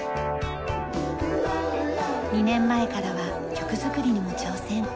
２年前からは曲作りにも挑戦。